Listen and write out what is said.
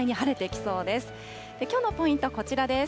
きょうのポイント、こちらです。